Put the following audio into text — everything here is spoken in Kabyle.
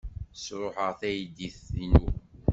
Sṛuḥeɣ taydit-inu.